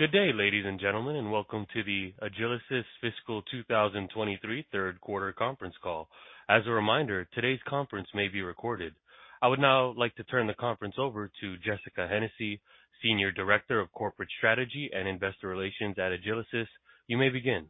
Good day, ladies and gentlemen, and welcome to the Agilysys Fiscal 2023 third quarter conference call. As a reminder, today's conference may be recorded. I would now like to turn the conference over to Jessica Hennessy, Senior Director of Corporate Strategy and Investor Relations at Agilysys. You may begin.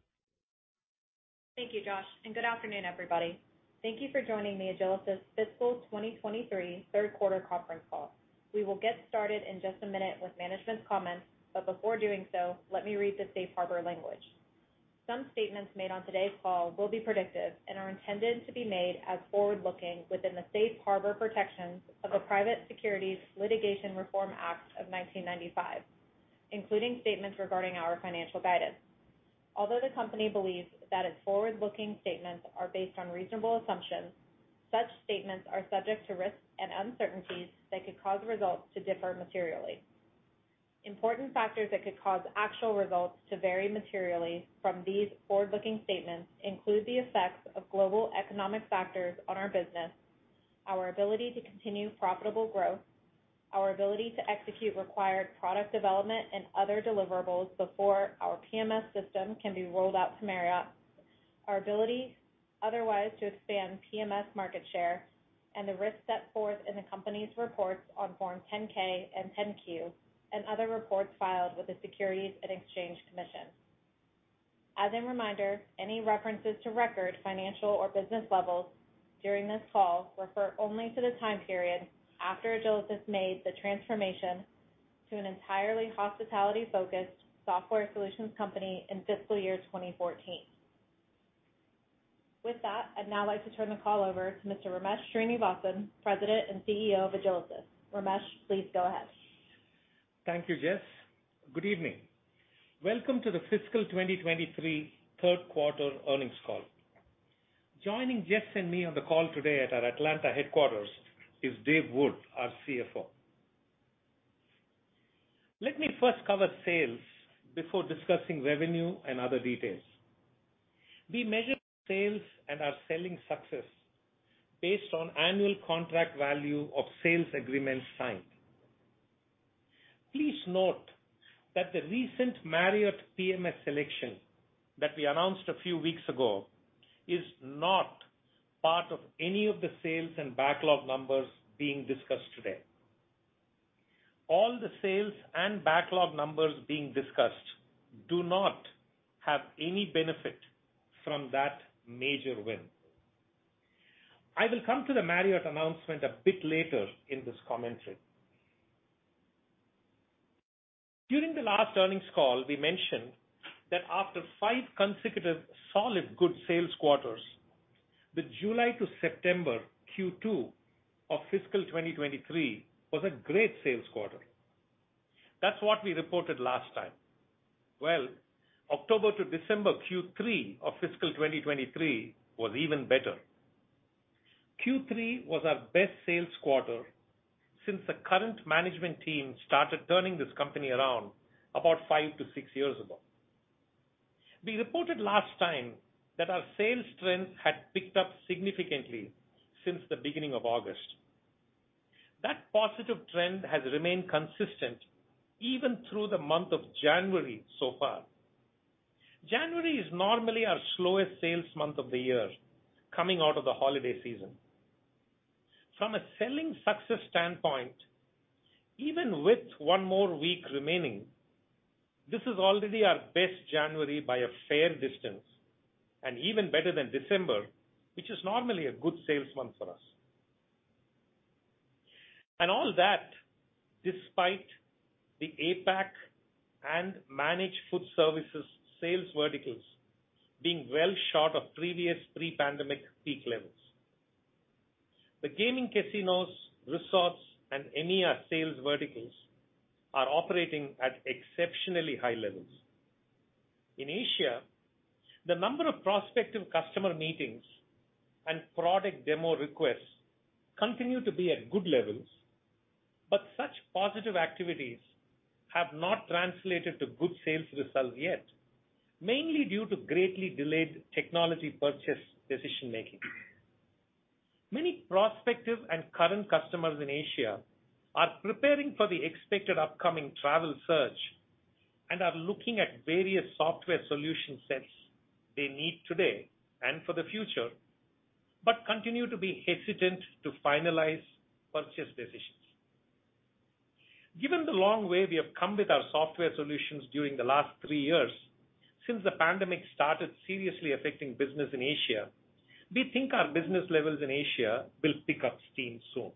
Thank you, Josh. Good afternoon, everybody. Thank you for joining me Agilysys Fiscal 2023 third quarter conference call. We will get started in just a minute with management's comments, but before doing so, let me read the Safe Harbor language. Some statements made on today's call will be predictive and are intended to be made as forward-looking within the Safe Harbor protections of the Private Securities Litigation Reform Act of 1995, including statements regarding our financial guidance. Although the company believes that its forward-looking statements are based on reasonable assumptions, such statements are subject to risks and uncertainties that could cause results to differ materially. Important factors that could cause actual results to vary materially from these forward-looking statements include the effects of global economic factors on our business, our ability to continue profitable growth, our ability to execute required product development and other deliverables before our PMS system can be rolled out to Marriott, our ability otherwise to expand PMS market share, and the risks set forth in the company's reports on Form 10-K and 10-Q and other reports filed with the Securities and Exchange Commission. As a reminder, any references to record financial or business levels during this call refer only to the time period after Agilysys made the transformation to an entirely hospitality-focused software solutions company in fiscal year 2014. With that, I'd now like to turn the call over to Mr. Ramesh Srinivasan, President and CEO of Agilysys. Ramesh, please go ahead. Thank you, Jess. Good evening. Welcome to the fiscal 2023 third quarter earnings call. Joining Jess and me on the call today at our Atlanta headquarters is Dave Wood, our CFO. Let me first cover sales before discussing revenue and other details. We measure sales and our selling success based on annual contract value of sales agreements signed. Please note that the recent Marriott PMS selection that we announced a few weeks ago is not part of any of the sales and backlog numbers being discussed today. All the sales and backlog numbers being discussed do not have any benefit from that major win. I will come to the Marriott announcement a bit later in this commentary. During the last earnings call, we mentioned that after five consecutive solid good sales quarters, the July to September Q2 of fiscal 2023 was a great sales quarter. That's what we reported last time. Well, October to December Q3 of FY 2023 was even better. Q3 was our best sales quarter since the current management team started turning this company around about five to six years ago. We reported last time that our sales trends had picked up significantly since the beginning of August. That positive trend has remained consistent even through the month of January so far. January is normally our slowest sales month of the year coming out of the holiday season. From a selling success standpoint, even with one more week remaining, this is already our best January by a fair distance, and even better than December, which is normally a good sales month for us. All that despite the APAC and managed food services sales verticals being well short of previous pre-pandemic peak levels. The gaming casinos, resorts, and EMEA sales verticals are operating at exceptionally high levels. In Asia, the number of prospective customer meetings and product demo requests continue to be at good levels, but such positive activities have not translated to good sales results yet, mainly due to greatly delayed technology purchase decision-making. Many prospective and current customers in Asia are preparing for the expected upcoming travel surge and are looking at various software solution sets they need today and for the future, but continue to be hesitant to finalize purchase decisions. Given the long way we have come with our software solutions during the last three years since the pandemic started seriously affecting business in Asia, we think our business levels in Asia will pick up steam soon.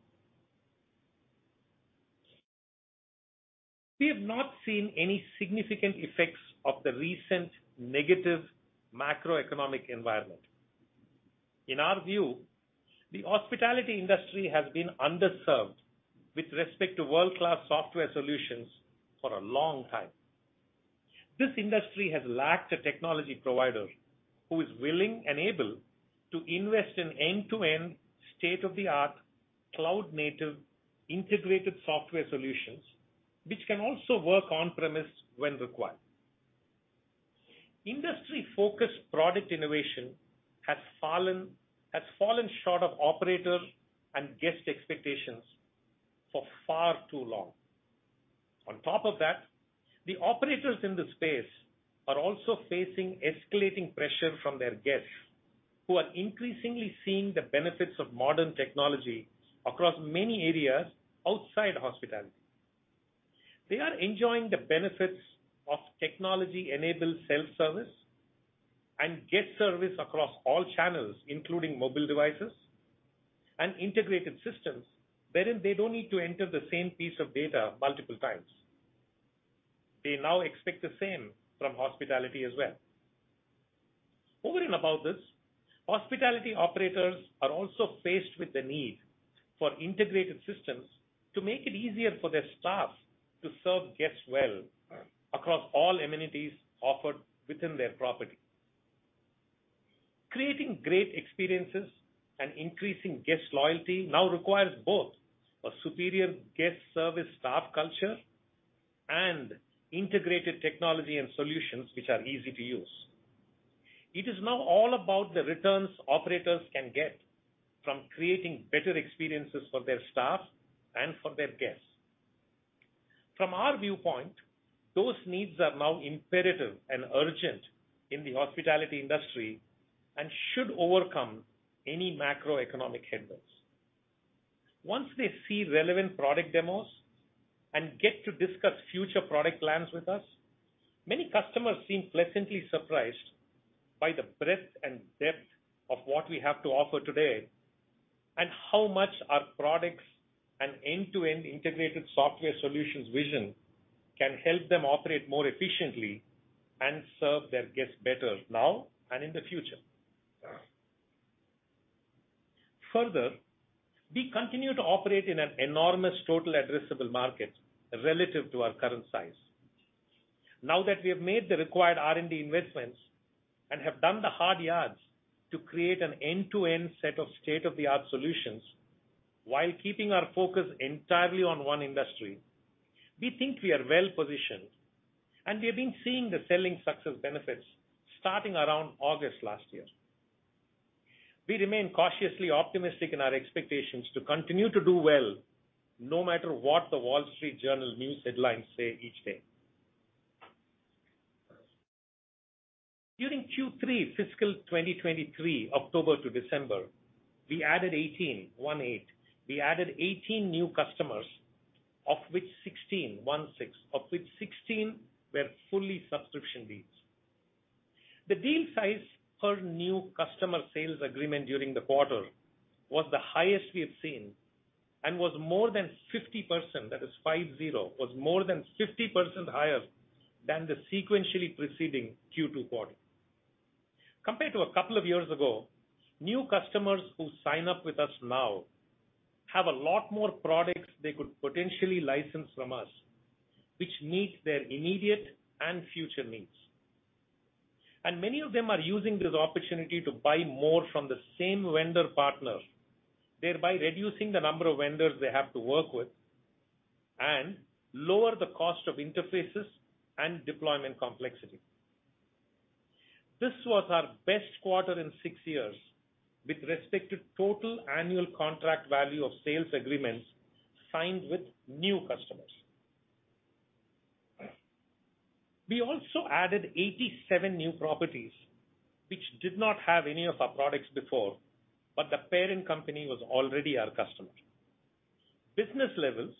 We have not seen any significant effects of the recent negative macroeconomic environment. In our view, the hospitality industry has been underserved with respect to world-class software solutions for a long time. This industry has lacked a technology provider who is willing and able to invest in end-to-end state-of-the-art cloud-native integrated software solutions, which can also work on-premise when required. Industry focused product innovation has fallen short of operator and guest expectations for far too long. The operators in the space are also facing escalating pressure from their guests, who are increasingly seeing the benefits of modern technology across many areas outside hospitality. They are enjoying the benefits of technology-enabled self-service and guest service across all channels, including mobile devices and integrated systems, wherein they don't need to enter the same piece of data multiple times. They now expect the same from hospitality as well. Over and above this, hospitality operators are also faced with the need for integrated systems to make it easier for their staff to serve guests well across all amenities offered within their property. Creating great experiences and increasing guest loyalty now requires both a superior guest service staff culture and integrated technology and solutions which are easy to use. It is now all about the returns operators can get from creating better experiences for their staff and for their guests. From our viewpoint, those needs are now imperative and urgent in the hospitality industry and should overcome any macroeconomic headwinds. Once they see relevant product demos and get to discuss future product plans with us, many customers seem pleasantly surprised by the breadth and depth of what we have to offer today, and how much our products and end-to-end integrated software solutions vision can help them operate more efficiently and serve their guests better now and in the future. We continue to operate in an enormous total addressable market relative to our current size. Now that we have made the required R&D investments and have done the hard yards to create an end-to-end set of state-of-the-art solutions, while keeping our focus entirely on one industry, we think we are well-positioned, and we have been seeing the selling success benefits starting around August last year. We remain cautiously optimistic in our expectations to continue to do well, no matter what The Wall Street Journal news headlines say each day. During Q3 fiscal 2023, October to December, we added 18, 1 8. We added 18 new customers, of which 16, 1 6, of which 16 were fully subscription deals. The deal size per new customer sales agreement during the quarter was the highest we have seen and was more than 50%, that is 5 0, was more than 50% higher than the sequentially preceding Q2 quarter. Compared to a couple of years ago, new customers who sign up with us now have a lot more products they could potentially license from us, which meet their immediate and future needs. Many of them are using this opportunity to buy more from the same vendor partner, thereby reducing the number of vendors they have to work with and lower the cost of interfaces and deployment complexity. This was our best quarter in six years with respect to total annual contract value of sales agreements signed with new customers. We also added 87 new properties which did not have any of our products before, but the parent company was already our customer. Business levels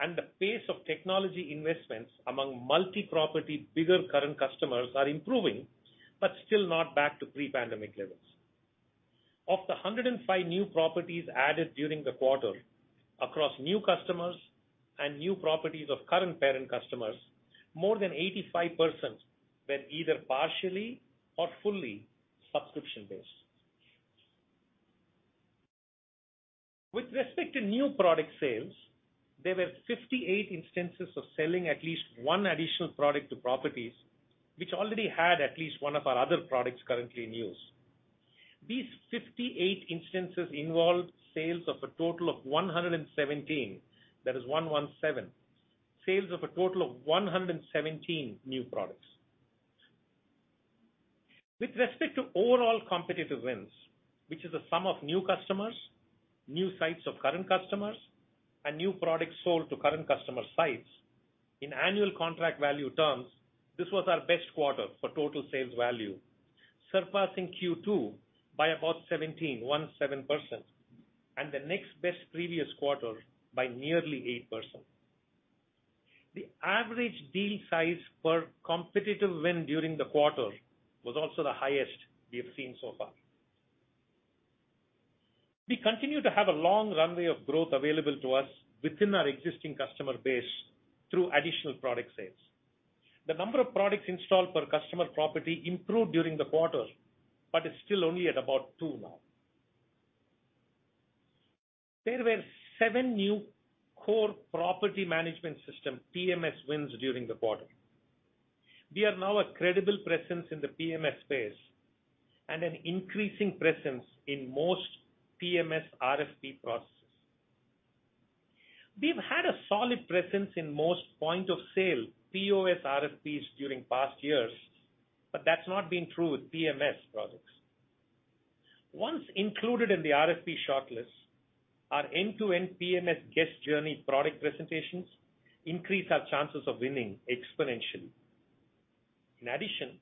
and the pace of technology investments among multi-property, bigger current customers are improving, but still not back to pre-pandemic levels. Of the 105 new properties added during the quarter across new customers and new properties of current parent customers, more than 85% were either partially or fully subscription-based. With respect to new product sales, there were 58 instances of selling at least one additional product to properties which already had at least one of our other products currently in use. These 58 instances involved sales of a total of 117, that is 117. Sales of a total of 117 new products. With respect to overall competitive wins, which is a sum of new customers, new sites of current customers, and new products sold to current customer sites, in annual contract value terms, this was our best quarter for total sales value, surpassing Q2 by about 17%, and the next best previous quarter by nearly 8%. The average deal size per competitive win during the quarter was also the highest we have seen so far. We continue to have a long runway of growth available to us within our existing customer base through additional product sales. The number of products installed per customer property improved during the quarter, but it's still only at about two now. There were seven new core property management system, PMS, wins during the quarter. We are now a credible presence in the PMS space and an increasing presence in most PMS RFP processes. We've had a solid presence in most point-of-sale, POS RFPs during past years, but that's not been true with PMS projects. Once included in the RFP shortlist, our end-to-end PMS guest journey product presentations increase our chances of winning exponentially. In addition,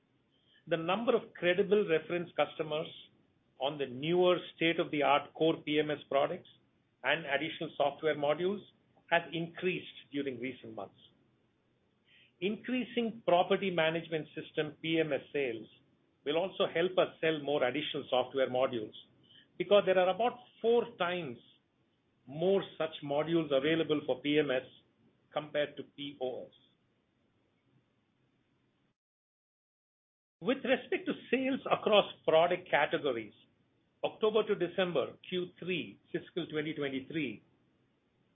the number of credible reference customers on the newer state-of-the-art core PMS products and additional software modules has increased during recent months. Increasing property management system, PMS, sales will also help us sell more additional software modules because there are about four times more such modules available for PMS compared to POS. With respect to sales across product categories, October to December, Q3 fiscal 2023,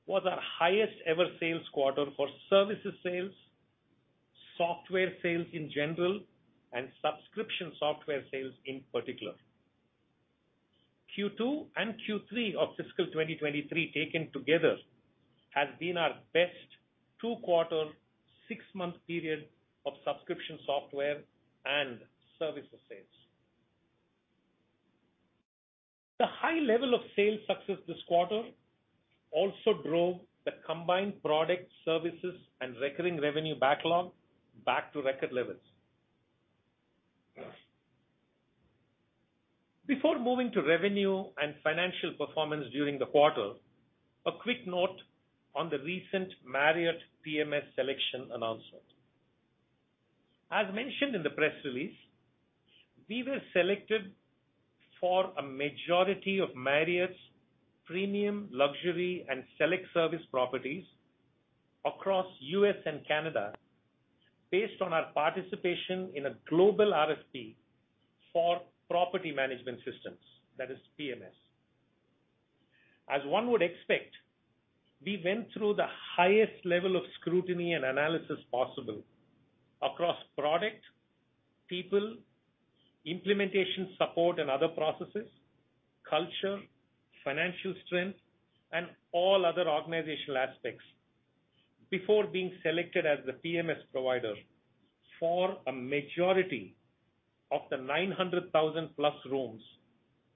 was our highest ever sales quarter for services sales, software sales in general, and subscription software sales in particular. Q2 and Q3 of fiscal 2023 taken together has been our best two-quarter, six-month period of subscription software and services sales. The high level of sales success this quarter also drove the combined product services and recurring revenue backlog back to record levels. Before moving to revenue and financial performance during the quarter, a quick note on the recent Marriott PMS selection announcement. As mentioned in the press release, we were selected for a majority of Marriott's premium, luxury, and select service properties across U.S. and Canada based on our participation in a global RFP for property management systems, that is PMS. As one would expect, we went through the highest level of scrutiny and analysis possible across product, people, implementation support and other processes, culture, financial strength, and all other organizational aspects before being selected as the PMS provider for a majority of the 900,000-plus rooms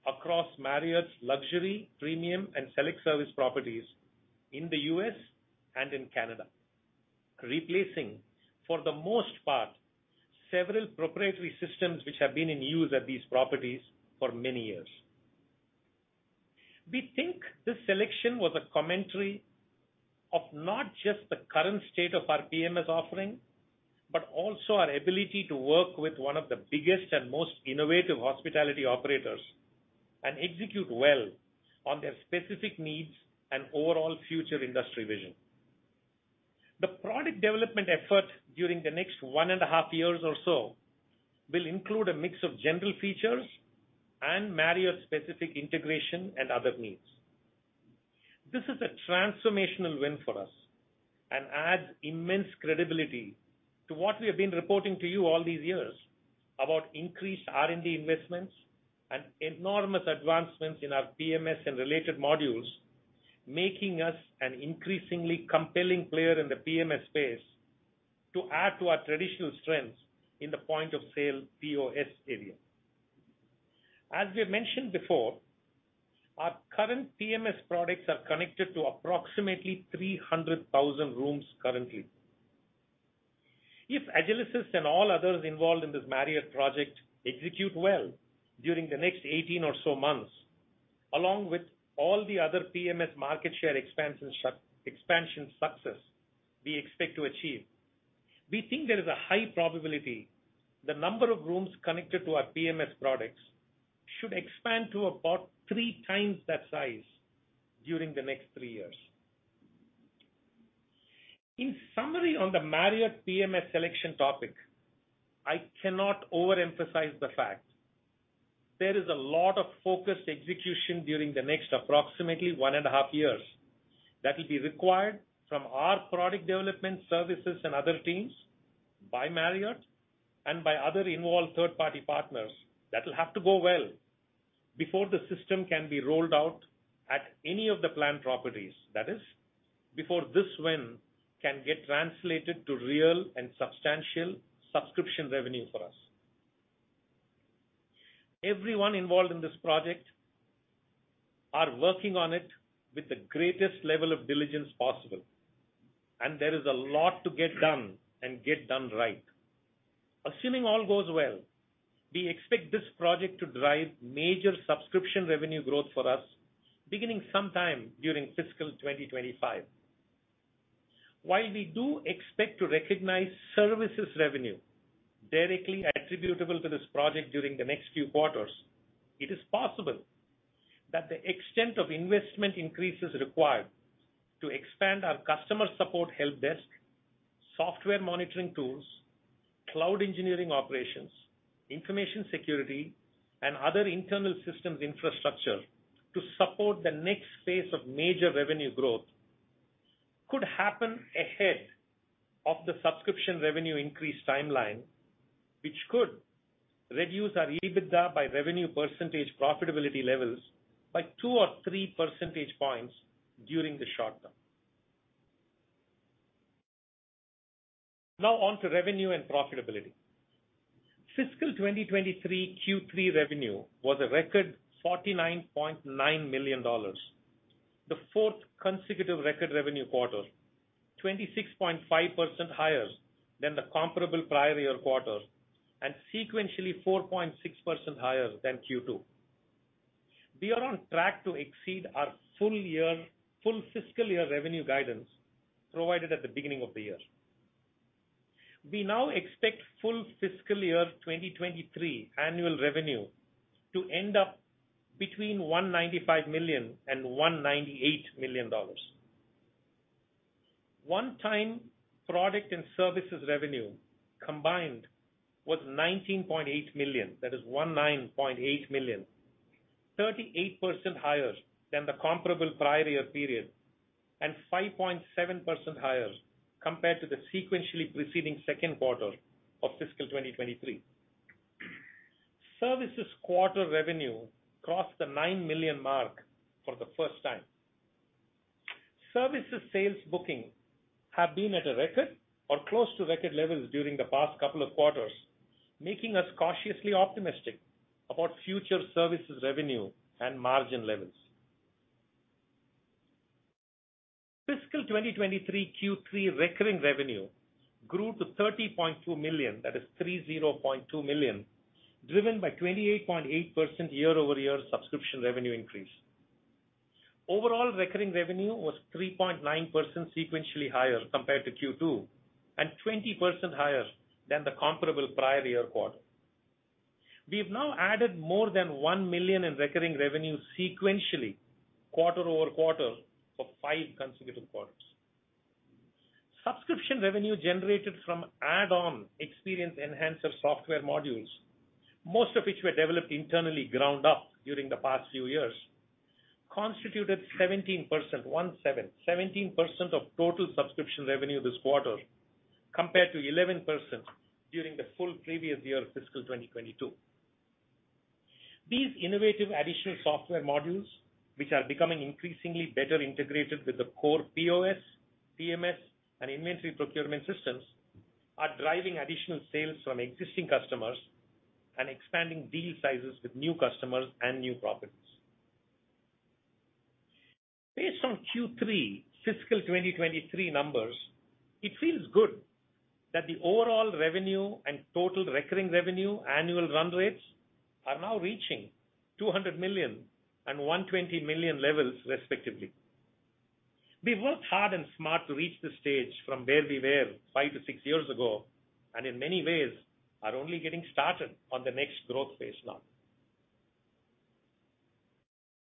across Marriott's luxury, premium, and select service properties in the U.S. and in Canada, replacing, for the most part, several proprietary systems which have been in use at these properties for many years. We think this selection was a commentary of not just the current state of our PMS offering, but also our ability to work with one of the biggest and most innovative hospitality operators, and execute well on their specific needs and overall future industry vision. The product development effort during the next one and the half years or so, will include a mix of general features and Marriott specific integration and other needs. This is a transformational win for us and adds immense credibility to what we have been reporting to you all these years about increased R&D investments and enormous advancements in our PMS and related modules, making us an increasingly compelling player in the PMS space to add to our traditional strengths in the point of sale, POS, area. As we have mentioned before, our current PMS products are connected to approximately 300,000 rooms currently. If Agilysys and all others involved in this Marriott project execute well during the next 18 or so months, along with all the other PMS market share expanse and expansion success we expect to achieve, we think there is a high probability the number of rooms connected to our PMS products should expand to about three times that size during the next three years. In summary, on the Marriott PMS selection topic, I cannot overemphasize the fact there is a lot of focused execution during the next approximately one and a half years that will be required from our product development services and other teams by Marriott and by other involved third-party partners that will have to go well before the system can be rolled out at any of the planned properties. That is, before this win can get translated to real and substantial subscription revenue for us. Everyone involved in this project are working on it with the greatest level of diligence possible, and there is a lot to get done and get done right. Assuming all goes well, we expect this project to drive major subscription revenue growth for us beginning sometime during fiscal 2025. While we do expect to recognize services revenue directly attributable to this project during the next few quarters, it is possible that the extent of investment increases required to expand our customer support help desk, software monitoring tools, cloud engineering operations, information security, and other internal systems infrastructure to support the next phase of major revenue growth could happen ahead of the subscription revenue increase timeline. Which could reduce our EBITDA by revenue percentage profitability levels by 2 or 3 percentage points during the short term. On to revenue and profitability. Fiscal 2023 Q3 revenue was a record $49.9 million. The fourth consecutive record revenue quarter, 26.5% higher than the comparable prior year quarter and sequentially 4.6% higher than Q2. We are on track to exceed our full fiscal year revenue guidance provided at the beginning of the year. We now expect full fiscal year 2023 annual revenue to end up between $195 million and $198 million. One-time product and services revenue combined was $19.8 million, that is $19.8 million, 38% higher than the comparable prior year period and 5.7% higher compared to the sequentially preceding second quarter of fiscal 2023. Services quarter revenue crossed the $9 million mark for the first time. Services sales booking have been at a record or close to record levels during the past couple of quarters, making us cautiously optimistic about future services revenue and margin levels. Fiscal 2023 Q3 recurring revenue grew to $30.2 million, that is $30.2 million, driven by 28.8% year-over-year subscription revenue increase. Overall recurring revenue was 3.9% sequentially higher compared to Q2 and 20% higher than the comparable prior year quarter. We have now added more than $1 million in recurring revenue sequentially quarter-over-quarter for five consecutive quarters. Subscription revenue generated from add-on experience enhancer software modules, most of which were developed internally ground up during the past few years, constituted 17%, 17% of total subscription revenue this quarter, compared to 11% during the full previous year of Fiscal 2022. These innovative additional software modules, which are becoming increasingly better integrated with the core POS, PMS, and inventory procurement systems, are driving additional sales from existing customers and expanding deal sizes with new customers and new properties. Based on Q3 FY 2023 numbers, it feels good that the overall revenue and total recurring revenue annual run rates are now reaching $200 million and $120 million levels respectively. We worked hard and smart to reach this stage from where we were five to six years ago, and in many ways are only getting started on the next growth phase now.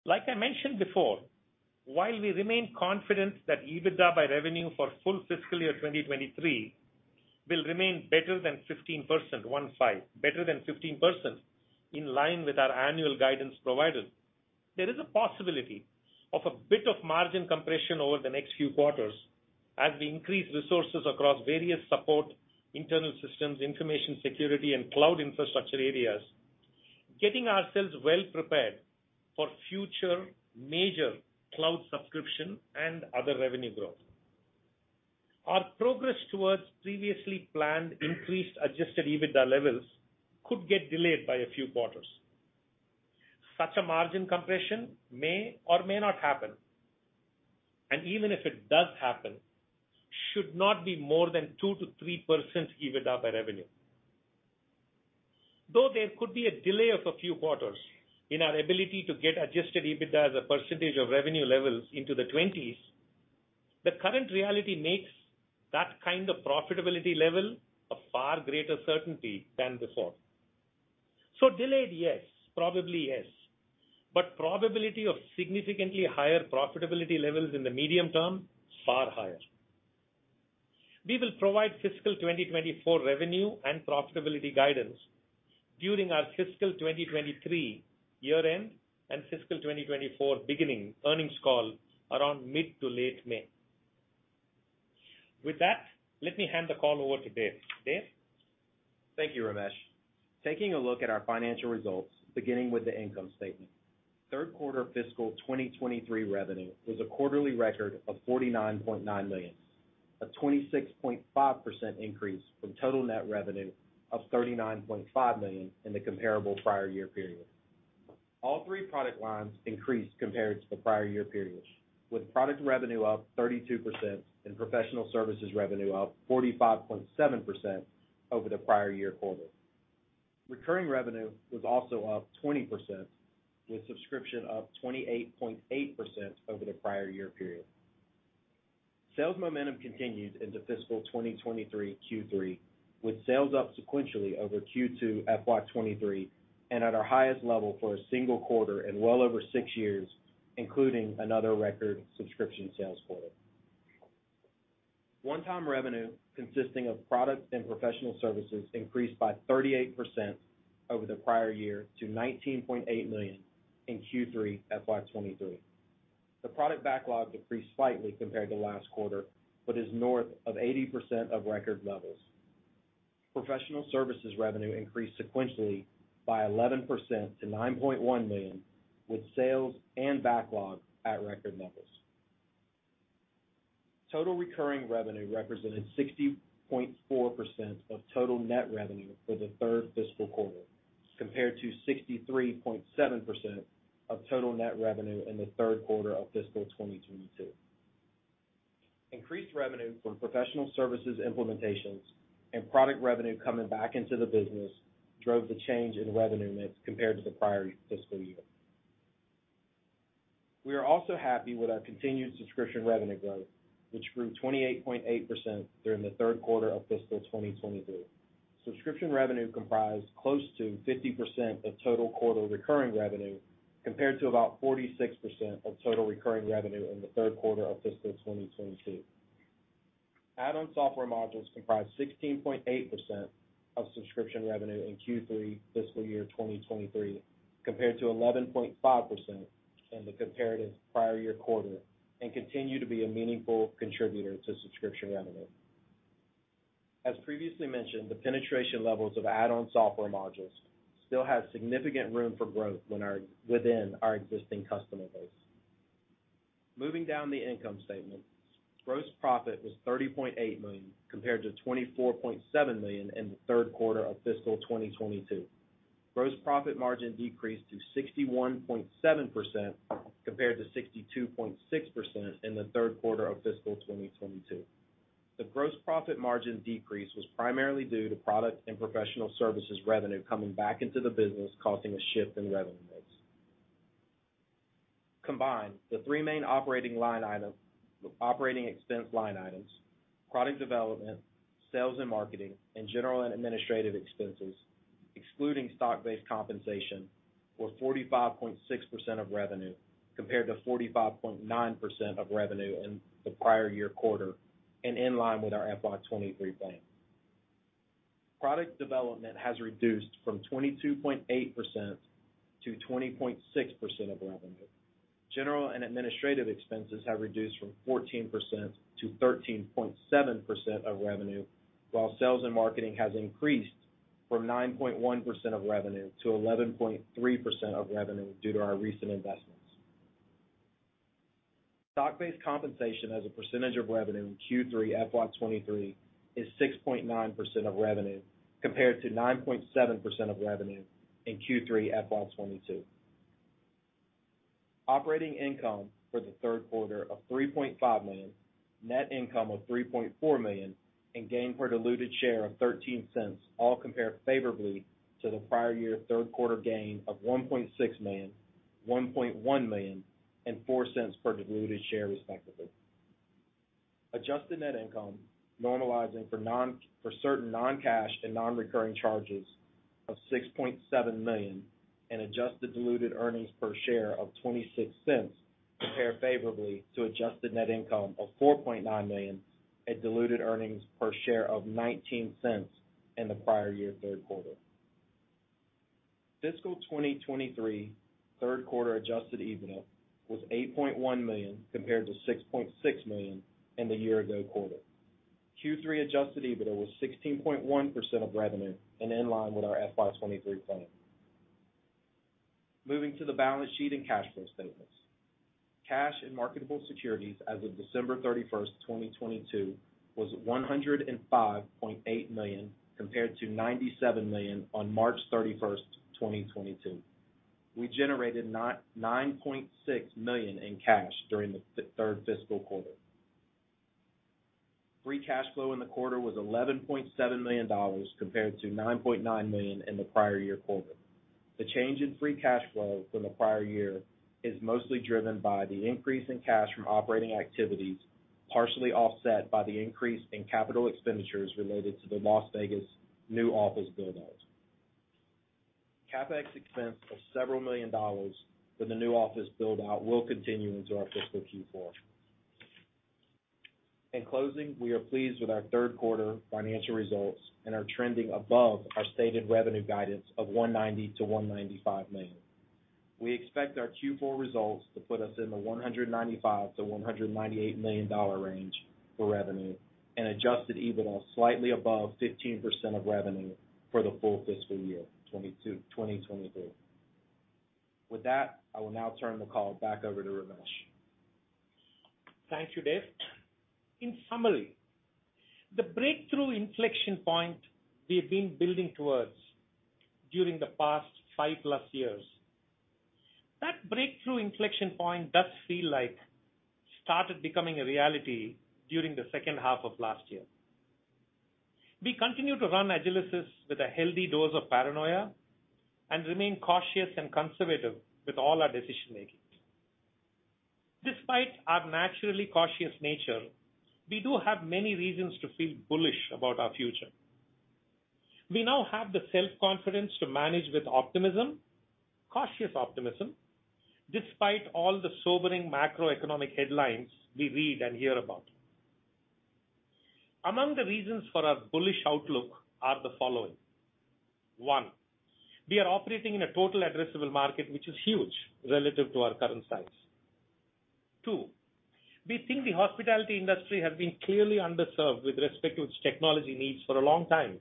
Like I mentioned before, while we remain confident that EBITDA by revenue for full fiscal year 2023 will remain better than 15%, one five, better than 15% in line with our annual guidance provided, there is a possibility of a bit of margin compression over the next few quarters as we increase resources across various support, internal systems, information security, and cloud infrastructure areas, getting ourselves well prepared for future major cloud subscription and other revenue growth. Our progress towards previously planned increased Adjusted EBITDA levels could get delayed by a few quarters. Such a margin compression may or may not happen, and even if it does happen, should not be more than 2%-3% EBITDA by revenue. Though there could be a delay of a few quarters in our ability to get Adjusted EBITDA as a percentage of revenue levels into the 20s, the current reality makes that kind of profitability level a far greater certainty than before. Delayed, yes. Probably, yes. Probability of significantly higher profitability levels in the medium term, far higher. We will provide FY 2024 revenue and profitability guidance during our FY 2023 year-end and FY 2024 beginning earnings call around mid to late May. With that, let me hand the call over to Dave. Dave? Thank you, Ramesh. Taking a look at our financial results, beginning with the income statement. Third quarter fiscal 2023 revenue was a quarterly record of $49.9 million, a 26.5% increase from total net revenue of $39.5 million in the comparable prior year period. All three product lines increased compared to the prior year periods, with product revenue up 32% and professional services revenue up 45.7% over the prior year quarter. Recurring revenue was also up 20%, with subscription up 28.8% over the prior year period. Sales momentum continued into fiscal 2023 Q3, with sales up sequentially over Q2 FY 2023 and at our highest level for a single quarter in well over six years, including another record subscription sales quarter. One-time revenue consisting of product and professional services increased by 38% over the prior year to $19.8 million in Q3 FY 2023. The product backlog decreased slightly compared to last quarter, but is north of 80% of record levels. Professional services revenue increased sequentially by 11% to $9.1 million, with sales and backlog at record levels. Total recurring revenue represented 60.4% of total net revenue for the third fiscal quarter, compared to 63.7% of total net revenue in the third quarter of fiscal 2022. Increased revenue from professional services implementations and product revenue coming back into the business drove the change in revenue mix compared to the prior fiscal year. We are also happy with our continued subscription revenue growth, which grew 28.8% during the third quarter of fiscal 2023. Subscription revenue comprised close to 50% of total quarter recurring revenue, compared to about 46% of total recurring revenue in the third quarter of fiscal 2022. Add-on software modules comprised 16.8% of subscription revenue in Q3 FY 2023, compared to 11.5% in the comparative prior year quarter, and continue to be a meaningful contributor to subscription revenue. As previously mentioned, the penetration levels of add-on software modules still have significant room for growth within our existing customer base. Moving down the income statement. Gross profit was $30.8 million, compared to $24.7 million in the third quarter of fiscal 2022. Gross profit margin decreased to 61.7% compared to 62.6% in the third quarter of fiscal 2022. The gross profit margin decrease was primarily due to product and professional services revenue coming back into the business, causing a shift in revenue mix. Combined, the three main operating expense line items, product development, sales and marketing, and general and administrative expenses, excluding stock-based compensation, were 45.6% of revenue compared to 45.9% of revenue in the prior year quarter and in line with our FY 2023 plan. Product development has reduced from 22.8% to 20.6% of revenue. General and administrative expenses have reduced from 14% to 13.7% of revenue, while sales and marketing has increased from 9.1% of revenue to 11.3% of revenue due to our recent investments. Stock-based compensation as a percentage of revenue in Q3 FY 2023 is 6.9% of revenue compared to 9.7% of revenue in Q3 FY 2022. Operating income for the third quarter of $3.5 million, net income of $3.4 million, and gain per diluted share of $0.13 all compare favorably to the prior year third quarter gain of $1.6 million, $1.1 million, and $0.04 per diluted share, respectively. Adjusted net income normalizing for certain non-cash and non-recurring charges of $6.7 million, and adjusted diluted earnings per share of $0.26 compare favorably to adjusted net income of $4.9 million and diluted earnings per share of $0.19 in the prior year third quarter. Fiscal 2023, third quarter Adjusted EBITDA was $8.1 million compared to $6.6 million in the year-ago quarter. Q3 Adjusted EBITDA was 16.1% of revenue and in line with our FY 2023 plan. Moving to the balance sheet and cash flow statements. Cash and marketable securities as of December 31, 2022 was $105.8 million compared to $97 million on March 31, 2022. We generated $9.6 million in cash during the third fiscal quarter. Free Cash Flow in the quarter was $11.7 million compared to $9.9 million in the prior-year quarter. The change in Free Cash Flow from the prior year is mostly driven by the increase in cash from operating activities, partially offset by the increase in capital expenditures related to the Las Vegas new office build-out. CapEx expense of several million dollars for the new office build-out will continue into our fiscal Q4. In closing, we are pleased with our third quarter financial results and are trending above our stated revenue guidance of $190 million-$195 million. We expect our Q4 results to put us in the $195 million-$198 million range for revenue and Adjusted EBITDA slightly above 15% of revenue for the full fiscal year 2023. With that, I will now turn the call back over to Ramesh. Thank you, Dave. In summary, the breakthrough inflection point we've been building towards during the past 5+ years, that breakthrough inflection point does feel like started becoming a reality during the second half of last year. We continue to run Agilysys with a healthy dose of paranoia and remain cautious and conservative with all our decision-making. Despite our naturally cautious nature, we do have many reasons to feel bullish about our future. We now have the self-confidence to manage with optimism, cautious optimism, despite all the sobering macroeconomic headlines we read and hear about. Among the reasons for our bullish outlook are the following. One, we are operating in a total addressable market, which is huge relative to our current size. Two, we think the hospitality industry has been clearly underserved with respect to its technology needs for a long time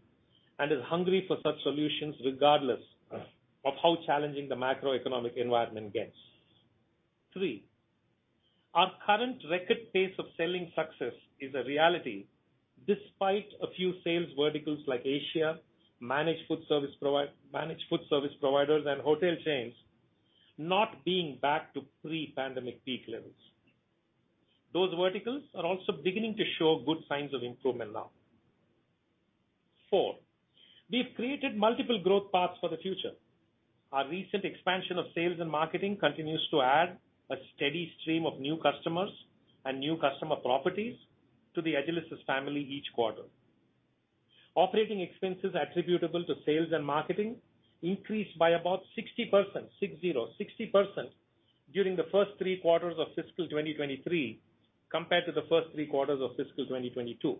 and is hungry for such solutions regardless of how challenging the macroeconomic environment gets. Three, our current record pace of selling success is a reality despite a few sales verticals like Asia, managed food service providers, and hotel chains not being back to pre-pandemic peak levels. Those verticals are also beginning to show good signs of improvement now. Four, we've created multiple growth paths for the future. Our recent expansion of sales and marketing continues to add a steady stream of new customers and new customer properties to the Agilysys family each quarter. Operating expenses attributable to sales and marketing increased by about 60% during the first three quarters of fiscal 2023 compared to the first three quarters of fiscal 2022.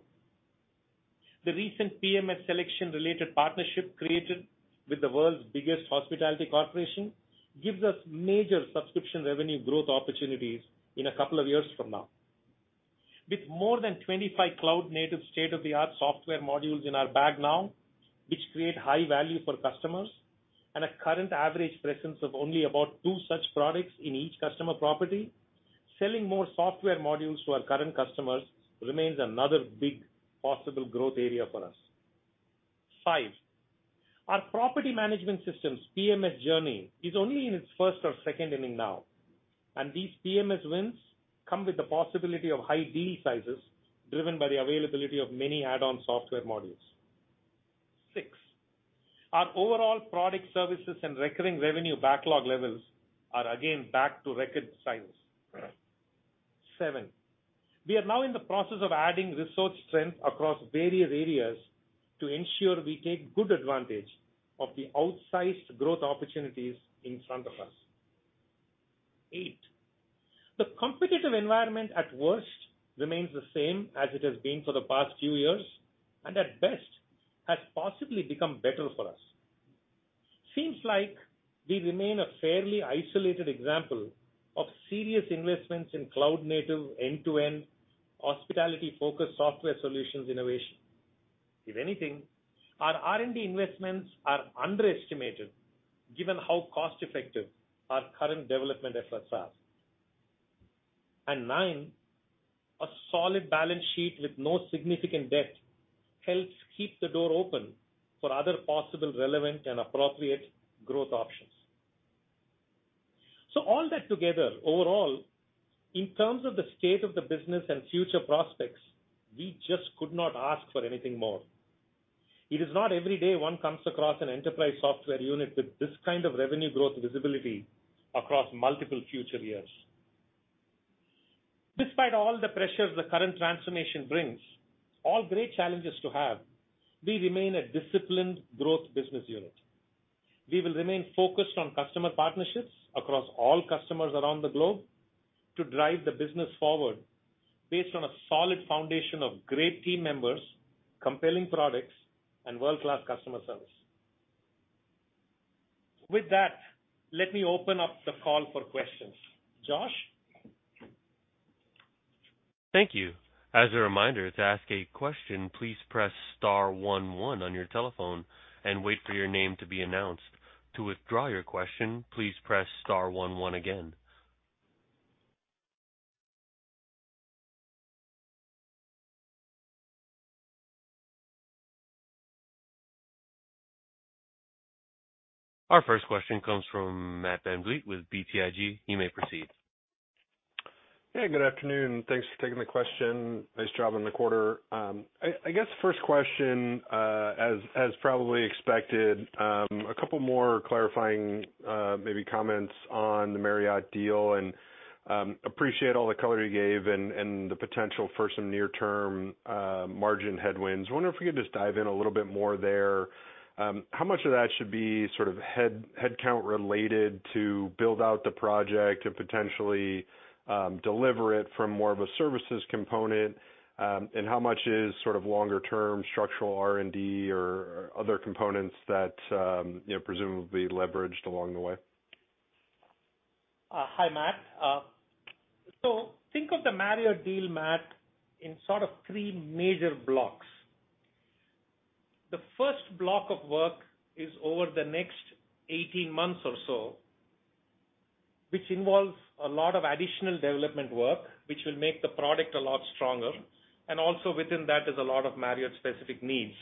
The recent PMS selection-related partnership created with the world's biggest hospitality corporation gives us major subscription revenue growth opportunities in a couple of years from now. With more than 25 cloud-native state-of-the-art software modules in our bag now, which create high value for customers, and a current average presence of only about two such products in each customer property, selling more software modules to our current customers remains another big possible growth area for us. Five, our property management systems PMS journey is only in its first or second inning now, and these PMS wins come with the possibility of high deal sizes driven by the availability of many add-on software modules. Six, our overall product services and recurring revenue backlog levels are again back to record size. Seven, we are now in the process of adding resource strength across various areas to ensure we take good advantage of the outsized growth opportunities in front of us. Eight, the competitive environment at worst remains the same as it has been for the past few years, and at best has possibly become better for us. Seems like we remain a fairly isolated example of serious investments in cloud-native, end-to-end hospitality-focused software solutions innovation. If anything, our R&D investments are underestimated given how cost-effective our current development efforts are. Nine, a solid balance sheet with no significant debt helps keep the door open for other possible relevant and appropriate growth options. All that together, overall, in terms of the state of the business and future prospects, we just could not ask for anything more. It is not every day one comes across an enterprise software unit with this kind of revenue growth visibility across multiple future years. Despite all the pressures the current transformation brings, all great challenges to have, we remain a disciplined growth business unit. We will remain focused on customer partnerships across all customers around the globe to drive the business forward based on a solid foundation of great team members, compelling products, and world-class customer service. With that, let me open up the call for questions. Josh? Thank you. As a reminder, to ask a question, please press star one one on your telephone and wait for your name to be announced. To withdraw your question, please press star one one again. Our first question comes from Matt VanVliet with BTIG. You may proceed. Yeah, good afternoon. Thanks for taking the question. Nice job on the quarter. I guess first question, as probably expected, a couple more clarifying, maybe comments on the Marriott deal. Appreciate all the color you gave and the potential for some near-term margin headwinds. Wonder if we could just dive in a little bit more there. How much of that should be sort of headcount related to build out the project to potentially deliver it from more of a services component? How much is sort of longer-term structural R&D or other components that, you know, presumably leveraged along the way? Hi, Matt. Think of the Marriott deal, Matt, in sort of three major blocks. The first block of work is over the next 18 months or so, which involves a lot of additional development work, which will make the product a lot stronger. Also within that is a lot of Marriott-specific needs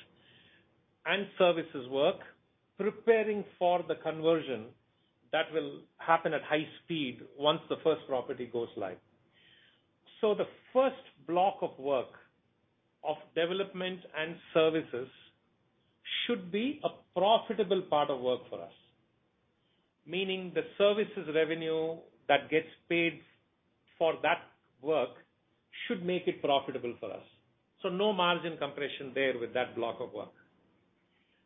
and services work preparing for the conversion that will happen at high speed once the first property goes live. The first block of work of development and services should be a profitable part of work for us, meaning the services revenue that gets paid for that work should make it profitable for us. No margin compression there with that block of work.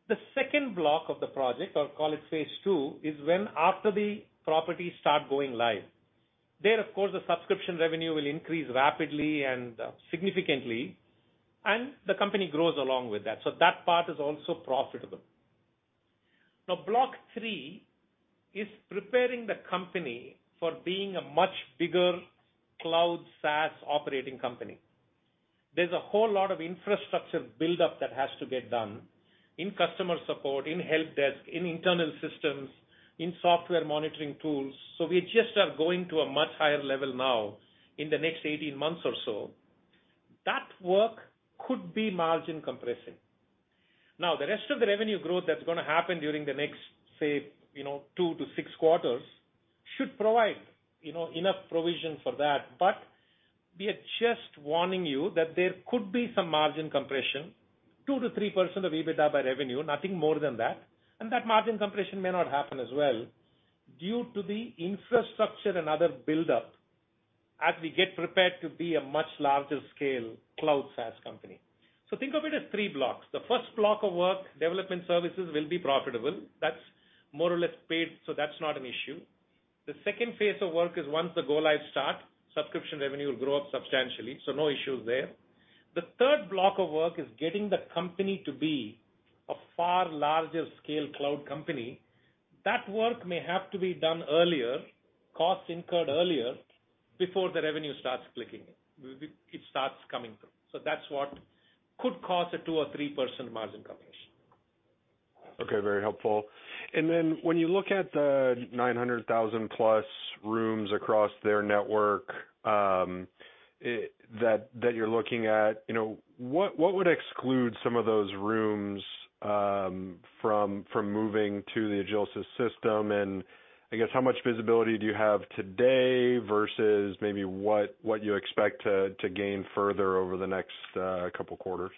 The second block of the project, or call it phase II, is when after the property start going live. There, of course, the subscription revenue will increase rapidly and, significantly, and the company grows along with that. That part is also profitable. Block three is preparing the company for being a much bigger cloud SaaS operating company. There's a whole lot of infrastructure build-up that has to get done in customer support, in helpdesk, in internal systems, in software monitoring tools. We just are going to a much higher level now in the next 18 months or so. That work could be margin compressing. The rest of the revenue growth that's gonna happen during the next, say, you know, two to six quarters should provide, you know, enough provision for that. We are just warning you that there could be some margin compression, 2%-3% of EBITDA by revenue, nothing more than that. That margin compression may not happen as well due to the infrastructure and other build-up as we get prepared to be a much larger scale cloud SaaS company. Think of it as three blocks. The first block of work, development services, will be profitable. That's more or less paid, so that's not an issue. The second phase of work is once the go-live start, subscription revenue will grow up substantially, so no issues there. The third block of work is getting the company to be a far larger scale cloud company. That work may have to be done earlier, costs incurred earlier, before the revenue starts clicking, it starts coming through. That's what could cause a 2% or 3% margin compression. Okay, very helpful. When you look at the 900,000+ rooms across their network, you know, what would exclude some of those rooms from moving to the Agilysys system? I guess, how much visibility do you have today versus maybe what you expect to gain further over the next couple quarters?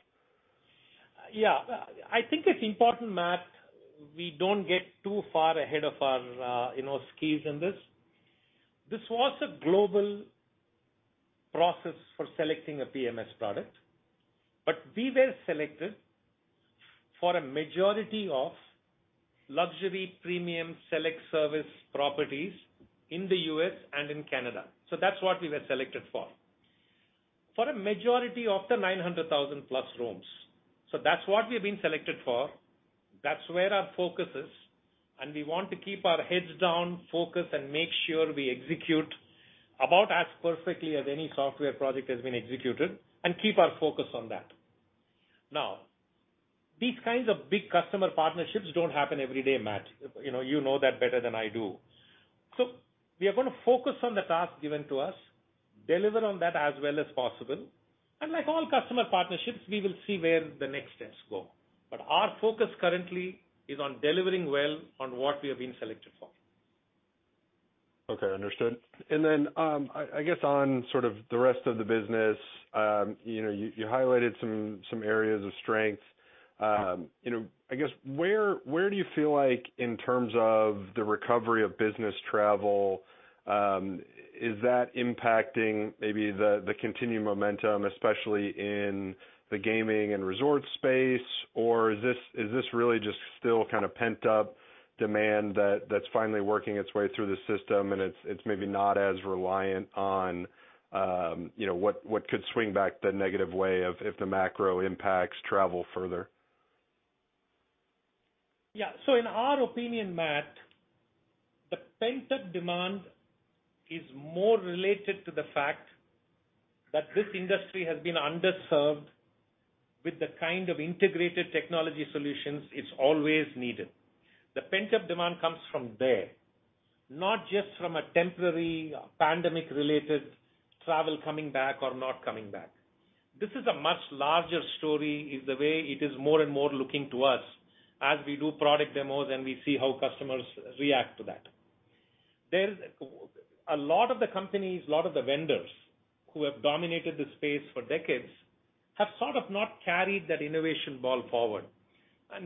I think it's important, Matt, we don't get too far ahead of our, you know, skis in this. This was a global process for selecting a PMS product, but we were selected for a majority of luxury, premium, select service properties in the U.S. and in Canada. That's what we were selected for. For a majority of the 900,000+ rooms. That's what we've been selected for. That's where our focus is, and we want to keep our heads down, focused, and make sure we execute about as perfectly as any software project has been executed and keep our focus on that. These kinds of big customer partnerships don't happen every day, Matt. You know, you know that better than I do. We are gonna focus on the task given to us, deliver on that as well as possible, and like all customer partnerships, we will see where the next steps go. Our focus currently is on delivering well on what we have been selected for. Okay, understood. I guess on sort of the rest of the business, you know, you highlighted some areas of strength. You know, I guess, where do you feel like in terms of the recovery of business travel, is that impacting maybe the continued momentum, especially in the gaming and resort space? Or is this really just still kinda pent-up demand that's finally working its way through the system and it's maybe not as reliant on, you know, what could swing back the negative way if the macro impacts travel further? In our opinion, Matt, the pent-up demand is more related to the fact that this industry has been underserved with the kind of integrated technology solutions it's always needed. The pent-up demand comes from there, not just from a temporary pandemic-related travel coming back or not coming back. This is a much larger story, is the way it is more and more looking to us as we do product demos and we see how customers react to that. A lot of the companies, a lot of the vendors who have dominated this space for decades have sort of not carried that innovation ball forward.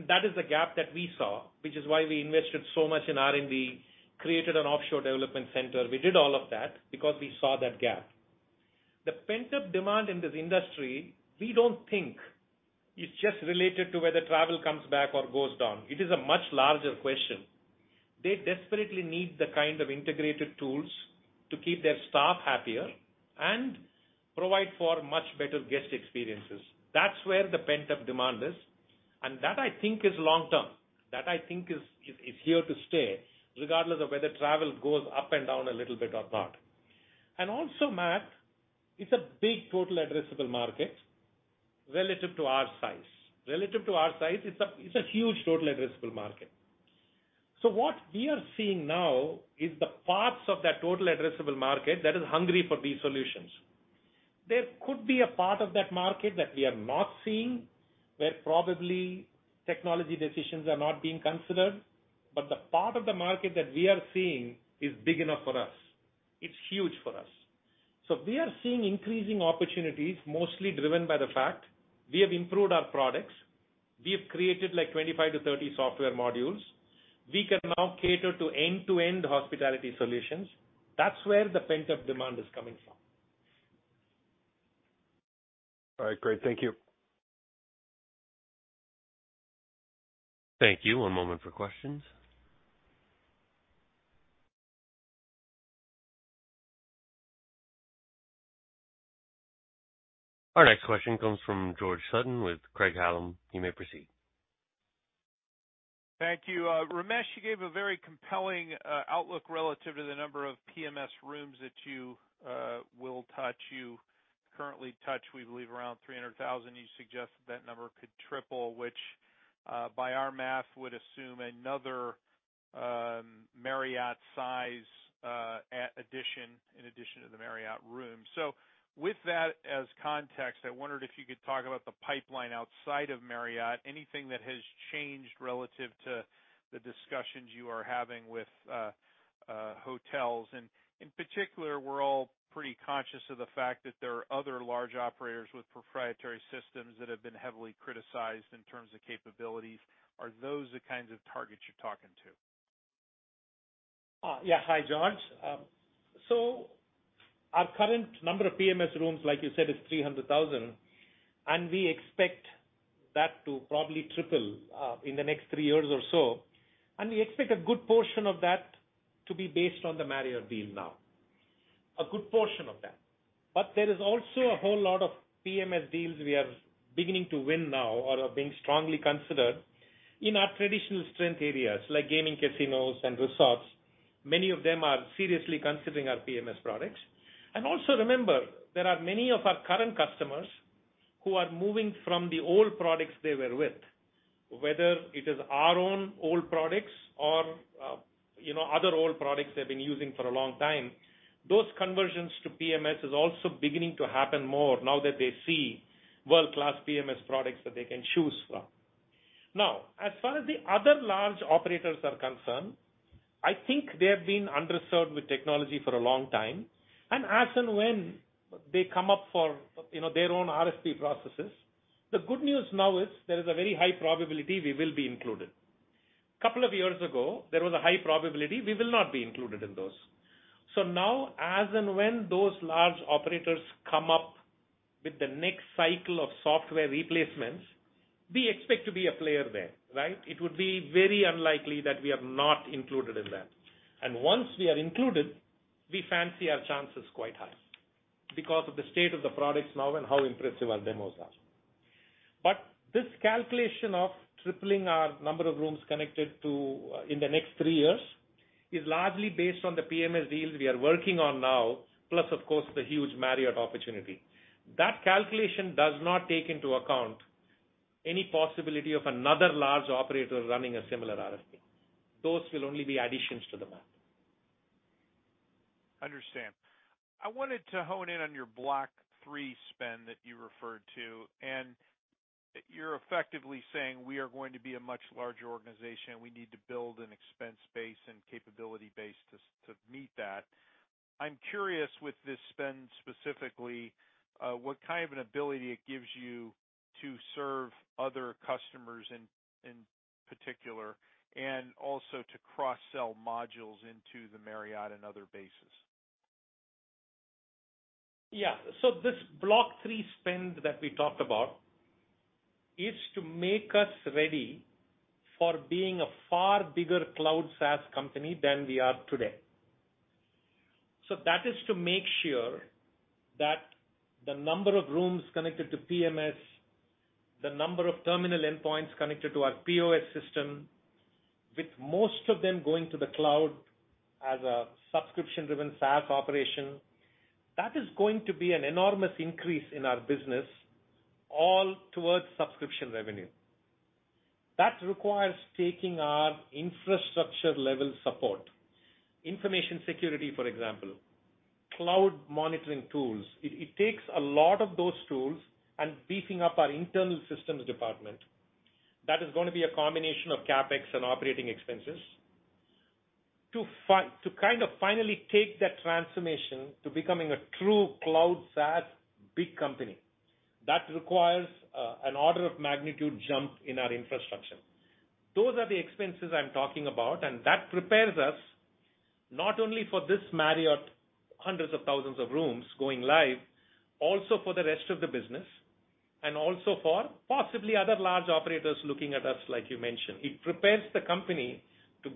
That is the gap that we saw, which is why we invested so much in R&D, created an offshore development center. We did all of that because we saw that gap. The pent-up demand in this industry, we don't think is just related to whether travel comes back or goes down. It is a much larger question. They desperately need the kind of integrated tools to keep their staff happier and provide for much better guest experiences. That's where the pent-up demand is, and that I think is long-term. That I think is here to stay regardless of whether travel goes up and down a little bit or not. Also, Matt, it's a big total addressable market relative to our size. Relative to our size, it's a huge total addressable market. What we are seeing now is the parts of that total addressable market that is hungry for these solutions. There could be a part of that market that we are not seeing, where probably technology decisions are not being considered, but the part of the market that we are seeing is big enough for us. It's huge for us. We are seeing increasing opportunities, mostly driven by the fact we have improved our products. We have created, like, 25 to 30 software modules. We can now cater to end-to-end hospitality solutions. That's where the pent-up demand is coming from. All right, great. Thank you. Thank you. One moment for questions. Our next question comes from George Sutton with Craig-Hallum. You may proceed. Thank you. Ramesh, you gave a very compelling outlook relative to the number of PMS rooms that you will touch. You currently touch, we believe, around 300,000. You suggest that number could triple, which, by our math, would assume another Marriott size addition in addition to the Marriott room. With that as context, I wondered if you could talk about the pipeline outside of Marriott, anything that has changed relative to the discussions you are having with hotels. In particular, we're all pretty conscious of the fact that there are other large operators with proprietary systems that have been heavily criticized in terms of capabilities. Are those the kinds of targets you're talking to? Hi, George. Our current number of PMS rooms, like you said, is 300,000, and we expect that to probably triple in the next three years or so. We expect a good portion of that to be based on the Marriott deal now. A good portion of that. There is also a whole lot of PMS deals we are beginning to win now or are being strongly considered in our traditional strength areas like gaming casinos and resorts. Many of them are seriously considering our PMS products. Remember, there are many of our current customers who are moving from the old products they were with, whether it is our own old products or, you know, other old products they've been using for a long time. Those conversions to PMS is also beginning to happen more now that they see world-class PMS products that they can choose from. As far as the other large operators are concerned, I think they have been underserved with technology for a long time. As and when they come up for, you know, their own RFP processes, the good news now is there is a very high probability we will be included. Two years ago, there was a high probability we will not be included in those. Now, as and when those large operators come up with the next cycle of software replacements, we expect to be a player there, right? It would be very unlikely that we are not included in that. Once we are included, we fancy our chances quite high because of the state of the products now and how impressive our demos are. This calculation of tripling our number of rooms connected to in the next three years is largely based on the PMS deals we are working on now, plus of course, the huge Marriott opportunity. That calculation does not take into account any possibility of another large operator running a similar RFP. Those will only be additions to the map. Understand. I wanted to hone in on your block three spend that you referred to. You're effectively saying we are going to be a much larger organization. We need to build an expense base and capability base to meet that. I'm curious with this spend specifically, what kind of an ability it gives you to serve other customers in particular, and also to cross-sell modules into the Marriott and other bases. Yeah. This block three spend that we talked about is to make us ready for being a far bigger cloud SaaS company than we are today. That is to make sure that the number of rooms connected to PMS, the number of terminal endpoints connected to our POS system, with most of them going to the cloud as a subscription-driven SaaS operation, that is going to be an enormous increase in our business, all towards subscription revenue. That requires taking our infrastructure level support, information security, for example, cloud monitoring tools. It takes a lot of those tools and beefing up our internal systems department. That is gonna be a combination of CapEx and operating expenses. To kind of finally take that transformation to becoming a true cloud SaaS big company, that requires an order of magnitude jump in our infrastructure. Those are the expenses I'm talking about, and that prepares us not only for this Marriott hundreds of thousands of rooms going live, also for the rest of the business and also for possibly other large operators looking at us like you mentioned. It prepares the company to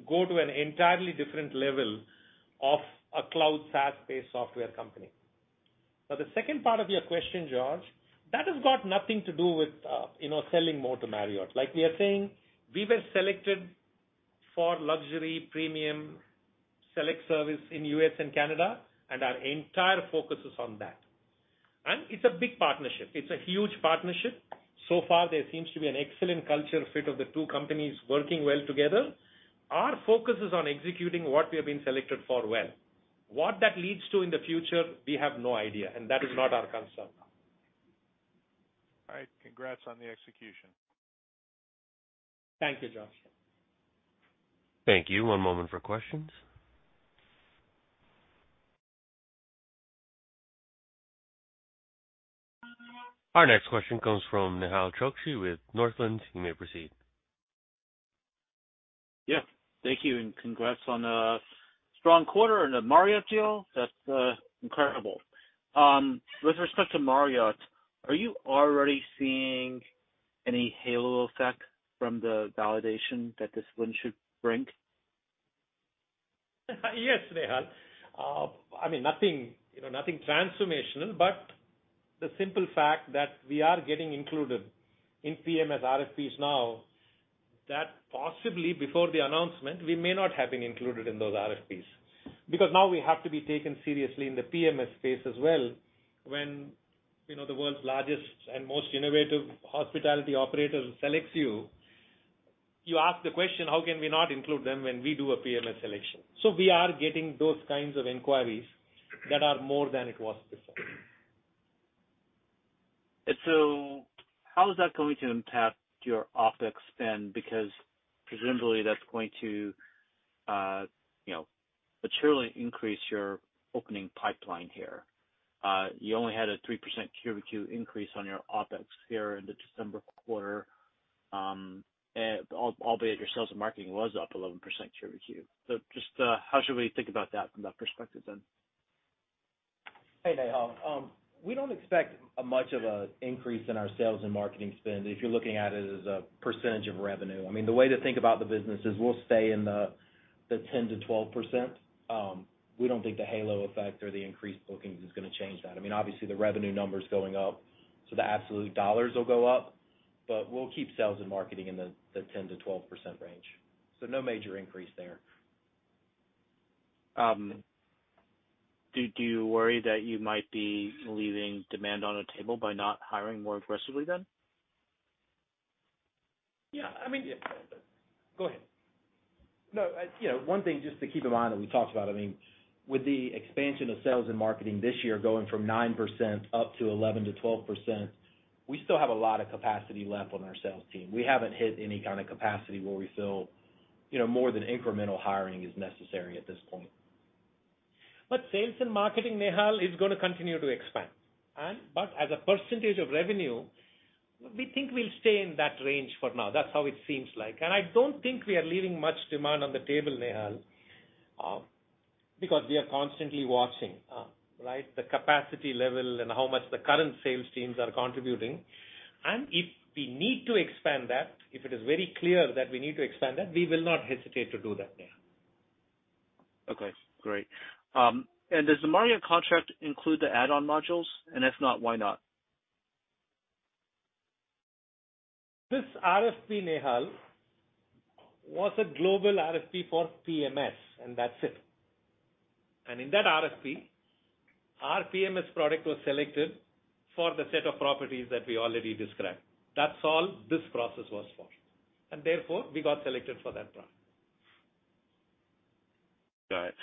go to an entirely different level of a cloud SaaS-based software company. Now, the second part of your question, George, that has got nothing to do with, you know, selling more to Marriott. Like we are saying, we were selected for luxury premium select service in U.S. and Canada, and our entire focus is on that. It's a big partnership. It's a huge partnership. So far, there seems to be an excellent culture fit of the two companies working well together. Our focus is on executing what we have been selected for well. What that leads to in the future, we have no idea, and that is not our concern. All right. Congrats on the execution. Thank you, George. Thank you. One moment for questions. Our next question comes from Nehal Chokshi with Northland. You may proceed. Yeah. Thank you, and congrats on a strong quarter and the Marriott deal. That's incredible. With respect to Marriott, are you already seeing any halo effect from the validation that this win should bring? Yes, Nehal. I mean, nothing, you know, nothing transformational, but the simple fact that we are getting included in PMS RFPs now that possibly before the announcement, we may not have been included in those RFPs. Now we have to be taken seriously in the PMS space as well when, you know, the world's largest and most innovative hospitality operator selects you. You ask the question, how can we not include them when we do a PMS selection? We are getting those kinds of inquiries that are more than it was before. How is that going to impact your OpEx spend? Because presumably that's going to, you know, materially increase your opening pipeline here. You only had a 3% QoQ increase on your OpEx here in the December quarter, albeit your sales and marketing was up 11% QoQ. Just, how should we think about that from that perspective then? Hey, Nehal. we don't expect a much of a increase in our sales and marketing spend if you're looking at it as a percentage of revenue. I mean, the way to think about the business is we'll stay in the 10%-12%. we don't think the halo effect or the increased bookings is gonna change that. I mean, obviously, the revenue number's going up, so the absolute dollars will go up, but we'll keep sales and marketing in the 10%-12% range. No major increase there. Do you worry that you might be leaving demand on a table by not hiring more aggressively then? Yeah. I mean... Go ahead. No, you know, one thing just to keep in mind that we talked about, I mean, with the expansion of sales and marketing this year going from 9% up to 11%-12%, we still have a lot of capacity left on our sales team. We haven't hit any kinda capacity where we feel, you know, more than incremental hiring is necessary at this point. Sales and marketing, Nehal, is gonna continue to expand. As a percentage of revenue, we think we'll stay in that range for now. That's how it seems like. I don't think we are leaving much demand on the table, Nehal, because we are constantly watching, right, the capacity level and how much the current sales teams are contributing. If we need to expand that, if it is very clear that we need to expand that, we will not hesitate to do that, Nehal. Okay, great. Does the Marriott contract include the add-on modules? If not, why not? This RFP, Nehal, was a global RFP for PMS, and that's it. In that RFP, our PMS product was selected for the set of properties that we already described. That's all this process was for. Therefore, we got selected for that product. Got it.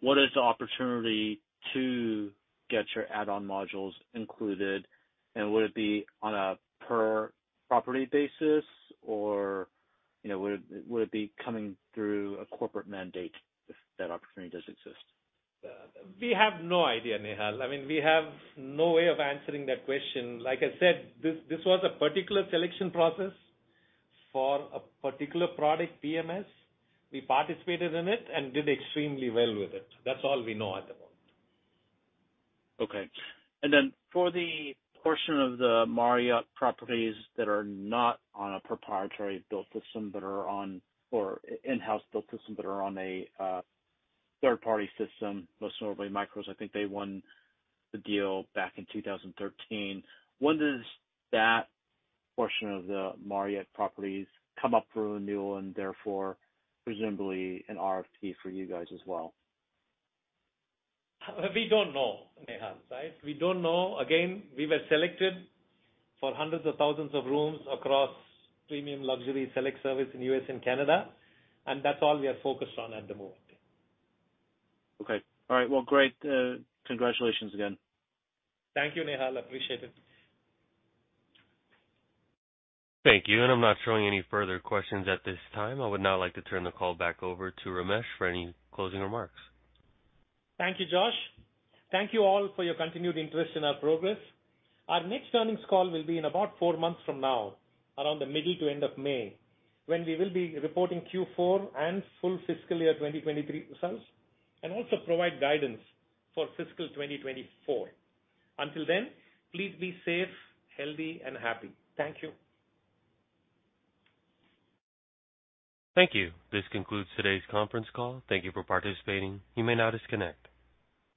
What is the opportunity to get your add-on modules included, and would it be on a per property basis, or, you know, would it be coming through a corporate mandate if that opportunity does exist? We have no idea, Nehal. I mean, we have no way of answering that question. Like I said, this was a particular selection process for a particular product, PMS. We participated in it and did extremely well with it. That's all we know at the moment. Okay. For the portion of the Marriott properties that are not on a proprietary built system that are on or in-house built system that are on a third-party system, most notably MICROS, I think they won the deal back in 2013, when does that portion of the Marriott properties come up for renewal and therefore presumably an RFP for you guys as well? We don't know, Nehal. Right? We don't know. We were selected for hundreds of thousands of rooms across premium luxury select service in U.S. and Canada, and that's all we are focused on at the moment. Okay. All right. Well, great. Congratulations again. Thank you, Nehal. Appreciate it. Thank you. I'm not showing any further questions at this time. I would now like to turn the call back over to Ramesh for any closing remarks. Thank you, Josh. Thank you all for your continued interest in our progress. Our next earnings call will be in about four months from now, around the middle to end of May, when we will be reporting Q four and full fiscal year 2023 results and also provide guidance for fiscal 2024. Until then, please be safe, healthy, and happy. Thank you. Thank you. This concludes today's conference call. Thank you for participating. You may now disconnect.